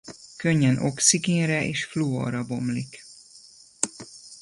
Könnyen oxigénre és fluorra bomlik.